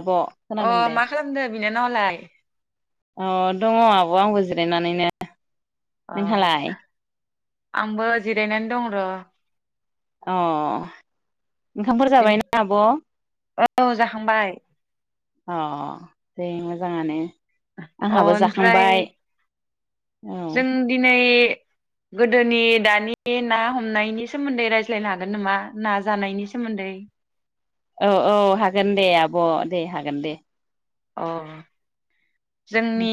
आब खोनादों अ दे मा खालामदो बिनानावालाय अ दङ आब आंबो जिरायनानैनो अ नोंहालाय आंबो जिरायनानै दं र अ ओंखामफोर बिनि जाबायना आब औ जाखांबाय अ दे मोजाङानो अ आंहाबो ओमफ्राय जाखांबाय औ जों दिनै गोदोनि दानि ना हमनायनि सोमोन्दै रायज्लायनो हागोन नामा ना जानायनि सोमोन्दै औ औ हागोन दे आब दे हागोन दे अ जोंनि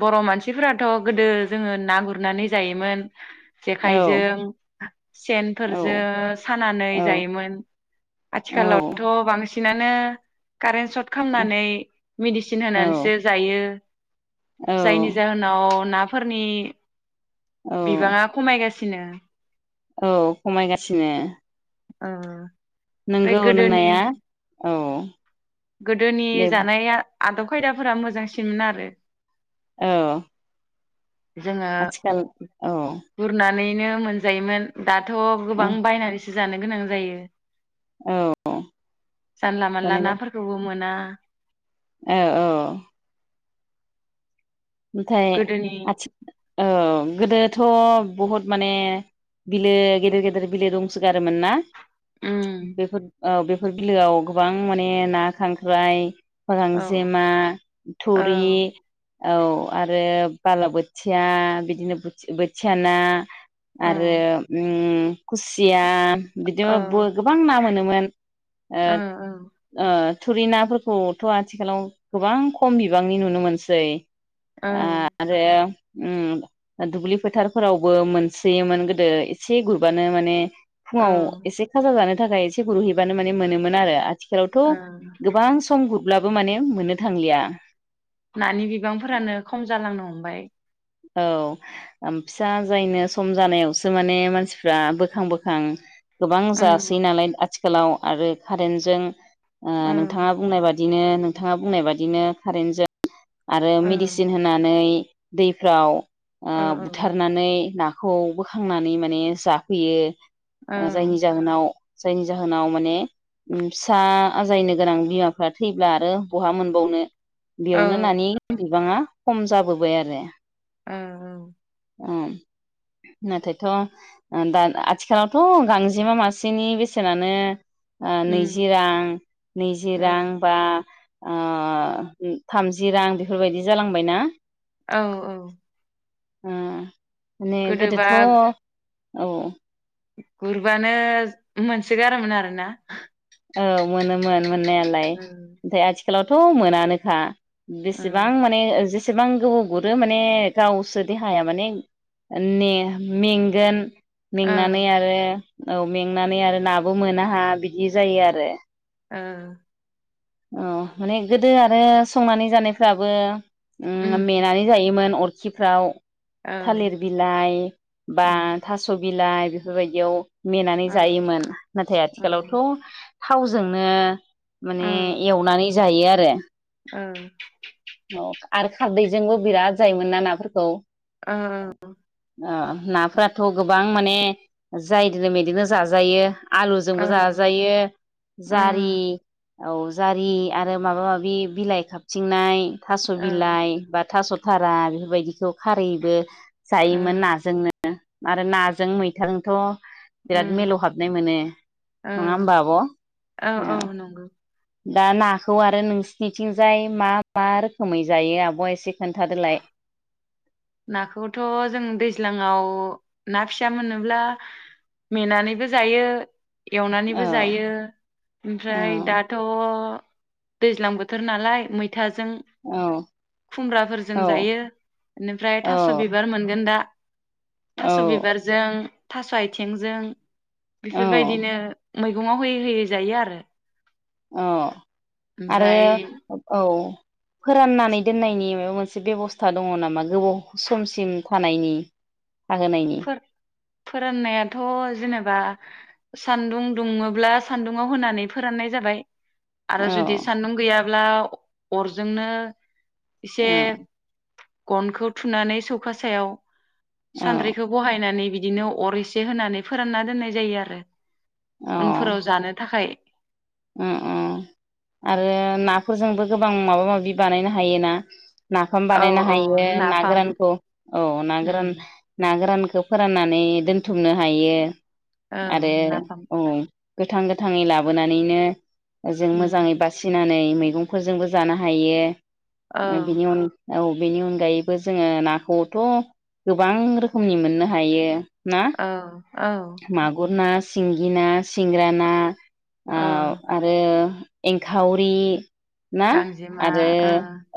बर मानसिफोराथ गोदो जोङो ना गुरनानै जायोमोन औ जेखाइजों औ सेनफोरजों सानानै औ जायोमोन औ आथिखालावथ बांसिन नानो कारेन सर्ट खांनानै मेडिसिन होनानैसो जायो औ जायनि जाहोनाव ना फोरनि औ बिबाङा खमायगासि सिनो औ खमायगासिनो ओ नंगौ गोदोनि नोंनाया औ गोदोनि दे जानाया आदब खायदाफोरा मोजांसिनमोन आरो औ जोङो आथिखाल औ गुरना नैनो मोनजायोमोन दाथ गोबां औ बाइनानैसो जानो गोनां जायो औ जानला मोनला बानायगोन नाफोरखौबो मोना [inaudible] औ औ ओमफ्राय गोदोनि आथि औ गोदोथ बहुद माने बिलो गेदेर गेदेर बिलो दंसोगारोमोन ना उम बेफोर औ बेफोर बिलोआव गोबां माने ना खांख्राइ फोर औ गांजेमा औ थुरि औ आरो बालाबोथिया बिदिनो बोथ-बोथिया ना औ आरो ओम खुसिया ओ बिदिनो बो गोबां ना मोनो मोन। ओ ओ थुरि नाफोरखौथ आथिखालाव गोबां खम बिबांनि नुनो मोनसै। औ आरो उम दुब्लि फोथारफोरावबो मोनसोयोमोन गोदो एसे गुरबानो माने फुङाव एसे खाजा जानो थाखाय एसे गुरहैबानो मान मोनोमोन आरो। आथिखालावथ ओ गोबां सम गुरब्लाबो माने मोननो थांलिया। नानि बि बांफोरानो खम जालांनो हमबाय। औ ओम फिसा जायनो सम जानायावसो माने मानसिफ्रा बोखां बोखां गोबां ओं जासैयो नालाय आथि खालाव आरो कारेन्टजों ओ औ नोंथाङा बुंनाय बा दिनो नोंथाङा बुंनाय बादिनो कारेन्टजों आरो औ मेडिसिन होनानै दैफ्राव ओ औ बुथारनानै ना खौ बोखांनानै माने जाफैयो ओ औ जायनि जाहोनाव जायनि जाहोनाव माने फिसा आजायनो गोनां बिमाफ्रा थैब्ला आरो बहा मोनबावनो औ नि बिबाङा खम जाबोबाय आरो। ओ औ ओ नाथायथ दा आथिखालावथ गांजेमा मासेनि बेसेनानो ओ उम नैजि रां नैजि ओ रां बा आ थाम जिरां बेफोरबायदि जालांबाय ना? औ औ उम माने गोदोथ गोदोबा औ गुरबानो मोनसो गारामोन आरोना औ मोनोमोन मोननायालाय औ ओमफाय आथि खालावथ मोनानोखा औ बेसेबां माने एसेबां गोबाव गुरो माने गावसो देहाया माने मे-मेंगोन मेंंनानै आरो औ मेंनानै आरो नाबो मोनाहा बिदि जायो आरो ओ अ माने गोदो आरो संनानै जानायफ्राबो उम मेनानै जायोमोन अर खिफ्राव औ थालिर बिलाइ बा थास बिलाइ बेफोरबायदियाव मेनानै औ जायोमोन नाथाय आथिखालावथ थावजोंनो माने नानै जायो आरो औ औ आरो खारदैजोंबो बिराद जायोमोन ना नाफोरखौ ओं ओ नाफोराथ गोबां माने जायदोनो मेदोनो जाजायो। आलुजोंबो जाजायो उम जारि औ जारि आरो माबा माबि बिलाइ खाबथिंनाय थास औ ओ बिलाइ बा थास थारा बेफोरबायदिखौ खारैबो जायोमोन नाजोंनो। आरो नाजों मैथाजोंथ बिराद उम मिलौ हाबनाय मोनो ओ नङा होमबा आब औ औ नंगौ दा नाखौ आरो नोंसिनिथिंजाय मा मा रोखोमै जायो आब एसे खोन्थादोलाय। नाखौथ जों दैज्लाङाव ना फिसा मोनोब्ला मेनानैबो जायो। औ एवनानैबो जायो औ ओमफ्राय दाथ दैज्लां बोथोर नालाय मै थाजों औ खुमब्राफोरजों औ जायो। इनिफ्राय औ थास बिबार मोनगोन दा। थास औ बिबारजों थास आइथेंजों औ बेफोरबायदिनो मैगंआव होयै होयै जायो आरो। औ। आरो ओमफ्राय औ। फोराननानै दोननायनि माबा मोनसे बेबस्था दङ नामा गोबाव समसिम थानायनि थाहोनायनि फोर-फोराननायाथ जेनेबा सान्दुं दुङोब्ला सान्दुंङाव होनानै फोराननाय जाबाय। आरो औ जुदि सान्दुं गैया ब्ला अरजोंनो औ इसे गनखौ थुनानै सौखा सायाव औ। सान्द्रिखौ बहायनानै बिदिनो अर एसे होनानै फोरानना दोननाय जायो आरो। उनफोराव जानो थाखाय। अ अ आरो ना फोरजोंबो गोबां माबा माबि बानायनो हायोना। नाफाम औ बानायनो औ हायो ना नाफाम गोरानखौ औ ना उम गोरान ना गोरान खौ फोराननानै दोनथुमनो हायो। औ आरो नाफाम अं। गोथां गोथांङै लाबोनानै। नैनो। जों उम मोजांङै बासिनानै। मैगंफोरजोंबो जानो हायो। औ ओ बिनि अन। औ बेनि अनगायैबो जोंङो नाखौथ गोबां रोखोमनि मोननो हायो। ना औ। औ मागुर ना। सिंगि ना सिंग्रा ना। औ आव आरो। एंखावरि ना गांजेमा आरो ओ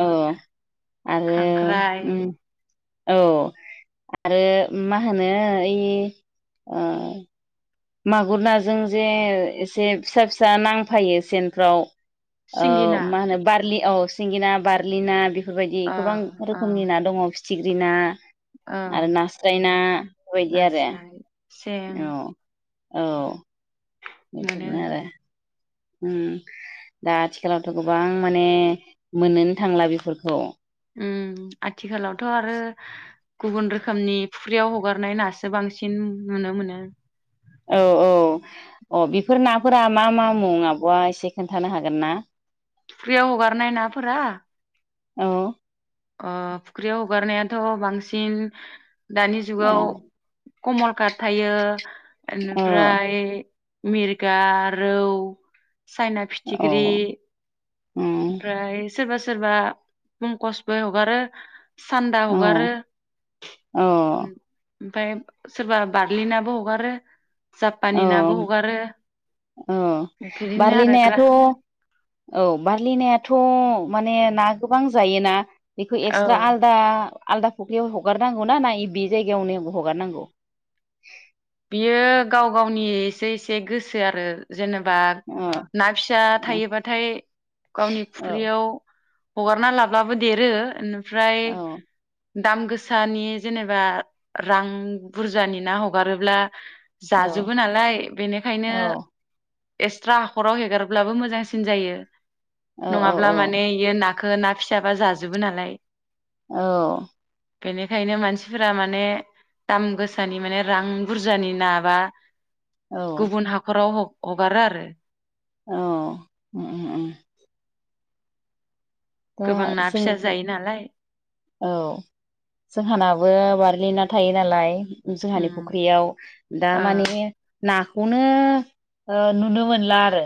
औ आरो खांख्राइ ओम औ आरो मा होनो ओइ ओ मागुर नाजों जे एसे फिसा फिसा नांफायो सेनफ्राव औ सिंगि ना मा होनो बार लि औ सिंगिना बार्लि ना बेफोरबायदि औ गोबां औ रोखोमनि ना दंङ थिग्रिना औ आरो नास्राय ना बेबायदि आरो नास्राय सें औ औ मोनो बेफोरनो आरो ओम दा आथिखालावथ गोबां माने मोननोनो थांला बेफोरखौ ओम आथिखालावथ आरो गुबुन रोखोमनि फुख्रियाव हगारनाय नासो बांसिन नुनो मोनो औ औ अ बिफोर नाफोरा मा मा मुं आबआ एसे खोन्थानो हागोन ना? फुख्रियाव हगारनाय नाफोरा औ अ फुख्रियाव हगारनायाथ बांसिन दानि ए जुगाव कमल काट थायो औ एनिफ्राय मिरगा, रौ साइना फिथिख्रि औ उम ओमफ्राय सोरबा सोरबा पंकस [unintelligible] हगारो सान्दा औ हगारो औ ओमफाय सोरबा बारलिनाबो हगारो औ जापानि नाबो हगारो औ बिदिनो आरो बारलिनायाथ ग्रा औ बारलिनायाथ माने ना गोबां जायोना बेखौ औ एक्सट्रा आलदा आलदा फख्रियाव हगारनांगौ ना ना बे जायगायावनो हगारनांगौ बियो गाव गावनि एसे एसे गोसो आरो जेनेब बा औ ना फिसा औ थायोबाथाय गावनि फुख्रियाव हगारना लाब्लाबो देरो। ओमफ्राय। औ दाम गोसानि जेनेबा रां बुरजानि ना हगारोब्ला। ब्ला। जाजोबो नालाय बेनिखायनो। औ एक्सट्रा हाखराव हेगारब्लाबो मोजांसिन जायो। औ नङाब्ला माने इयो ना- खौ ना फिसाबा जाजोबो नालाय। औ। बेनिखायनो मानसिफोरा माने दाम गोसानि माने रां। बुरजानि नाबा। औ गुबुन हाखराव। हगारो आरो। औ ओम। दा गोबां ना फिसा जोंनि जायो नालाय औ जोंहानाबो बारलि ना। थायो नालाय। जोंहानि उम फुख्रियाव दा ओ माने ना। खौनो नुनो मोनला आरो।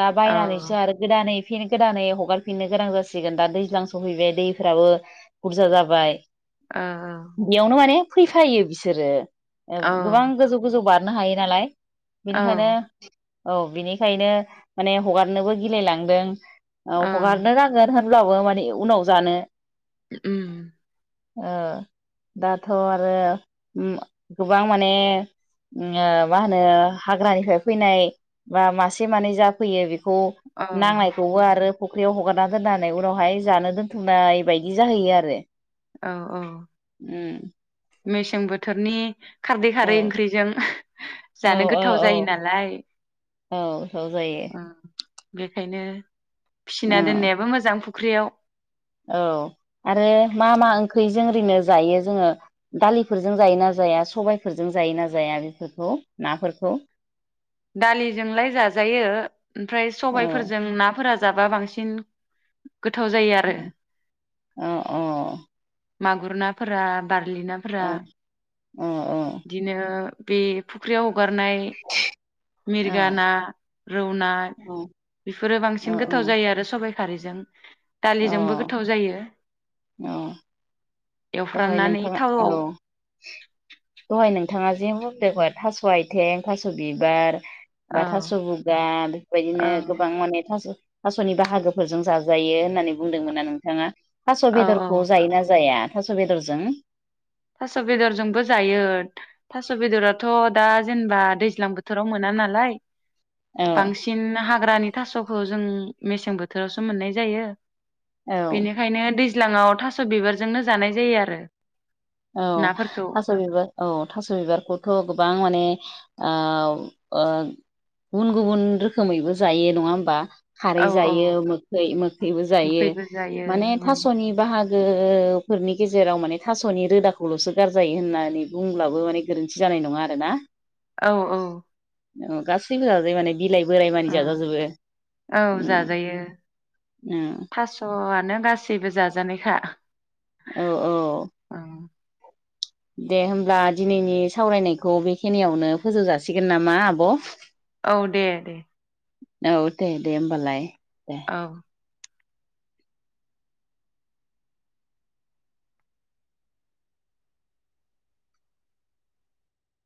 दा औ बायनानैसो आरो गोदानै। फिन गोदानै हगारफिननो गोनां जा सिगोन दा दैज्लां सहैबाय दैफोराबो बुरजा जाबाय। औ यावनो माने। फैफायो बिसोरो। ओ‌ औ गोबां गोजौ-गोजौ बार। हायो नालाय। औ बेनिखायनो। औ बिनिखायनो माने हगारनोबो गिलायलांदों। औ हगार। [unintelligible] होनब्लाबो माने उनाव जानो। उम। ओ दाथ आरो उम गोबां माने उम ओ मा होनो हाग्रानिफ्राय फैनाय बा मासे मानै जाफैयो बेखौ। औ खौ नांनायखौबो आरो। फख्रियाव हगार दोननानै उनावहाय जानो दोनथुमनाय बायदि जाहैयो आरो। औ औ। उम मेसें बोथोरनि। खारदै औ खारै ओंख्रिजों औ जानो औ गोथाव जायो नालाय। औ। [unintelligible] जायो। उम बेखायनो। औ फिना दोननायाबो मोजां ख्रियाव औ आरो मा मा ओंख्रि जों ओरैनो जायो जोङो दालिफोरजों जायोना जाया सबायफोरजों जायोना जाया बेफोरखौ नाफोरखौ। दालिजोंलाय जाजायो ओमफ्राय औ सबायफोरजों नाफोरा। जाबा बांसिन। गोथाव जायो आरो। अ अ। मागुर नाफोरा बारलिनाफोरा। औ औ इदिनो। बे फुख्रियाव। हगारनाय मिरगा औ ना रौ ना औ बेफोरो औ बांसिन गोथाव जायो आरो सबाय खारैजों। दालिजोंबो औ गोथाव जायो। दहय एवफ्रामनानै नोंथाङा औ। थावआव दहाय नोंथाङा जे बुंदोमोन थास आयथें थास बिबार। औ बा थास बुगा बेफोरबायदिनो औ गोबां माने थास। थासनि बाहागोफोरजों जाजायो होननानै बुंदोंमोनना नोंथाङा थास औ बेदरखौ औ जायोना जाया? थास बेदरजों थास बेदरजोंबो जायो। थास बेदराथ दा जेनेबा दैज्लां बोथोराव मोना नालाय औ बांसिन हा हाग्रानि थास खौ जों मेसें बोथोरावसो मोननाय जायो। औ बेनिखायनो दै [unintelligible] थास बिबारजोंनो जानाय जायो आरो। औ नाफोरखौ थास बिबार औ थास बिबारखौथ गोबां माने औ ओ गुबुन गुबुन रोखोमैबो जायो नङा होमबा? खारै औ औ जायो मोखै मोखैबो जायो मोखैबो जायो माने उम थासनि बाहागो गो फोरनि गेजेराव माने थास थ नि रोदाखौल सो गारजायो होननानै बुंब्लाबो माने गोरोन्थि जानाय नङा आरोना औ औ अ गासिबो जायो माने बिलाइ बोराय मानि उम जाजाजोबो औ ओम जाजायो ओम मानो गासैबो जाजानायखा औ औ उम दे होमब्ला दिनैनि सावरायनायखौ बेखिनियावनो फोजौ जासिगोन नामा आब' औ दे दे औ दे दे होमबालाय । औ